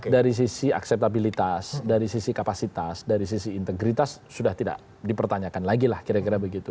dari sisi akseptabilitas dari sisi kapasitas dari sisi integritas sudah tidak dipertanyakan lagi lah kira kira begitu